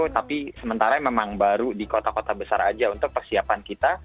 tapi sementara memang baru di kota kota besar aja untuk persiapan kita